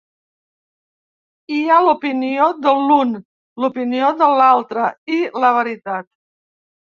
Hi ha l'opinió de l’un, l’opinió de l’altre, i la veritat.